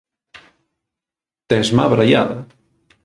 Tésme abraiada!